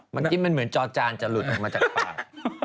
เมื่อกี้มันเหมือนจอจานจะหลุดออกมาจากปาก